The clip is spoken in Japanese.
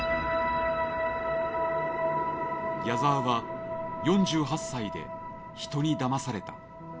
矢沢は４８歳で人にだまされた。